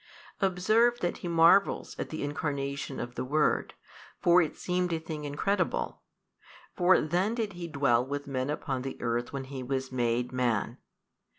Observe that he marvels at the Incarnation of the Word, for it seemed a thing incredible: for then did He dwell with men upon the earth when He was made Man.